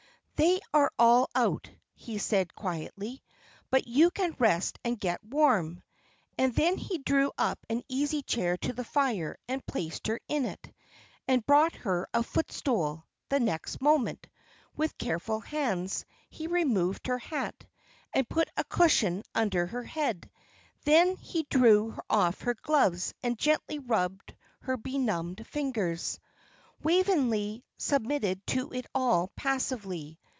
"They are all out," he said, quietly; "but you can rest and get warm." And then he drew up an easy chair to the fire and placed her in it, and brought her a footstool; the next moment, with careful hands, he removed her hat, and put a cushion under her head; then he drew off her gloves, and gently rubbed her benumbed fingers. Waveney submitted to it all passively.